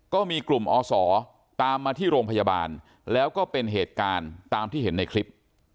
ก็มีกลุ่มอศตามมาที่โรงพยาบาลแล้วก็เป็นเหตุการณ์ตามที่เห็นในคลิป